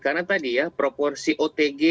karena tadi ya proporsi otg